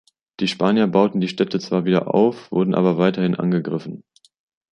Die Spanier bauten die Städte zwar wieder auf, wurden aber weiterhin angegriffen.